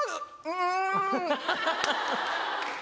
うん。